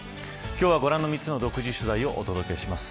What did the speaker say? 今日はご覧の３つの独自取材をお届けします。